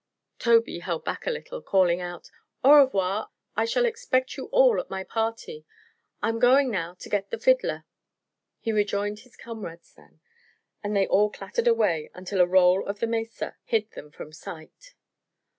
Tobey held back a little, calling out: "Au revoir! I shall expect you all at my party. I'm going now to get the fiddler." He rejoined his comrades then, and they all clattered away until a roll of the mesa hid them from sight.